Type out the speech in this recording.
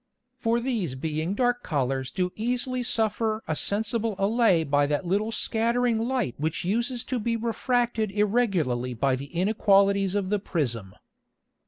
For these being dark Colours do easily suffer a sensible Allay by that little scattering Light which uses to be refracted irregularly by the Inequalities of the Prism.